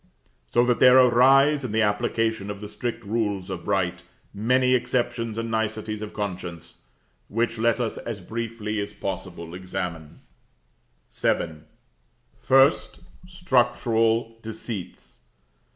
So that there arise, in the application of the strict rules of right, many exceptions and niceties of conscience; which let us as briefly as possible examine. VII. 1st. Structural Deceits.